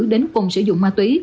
đến cùng sử dụng ma túy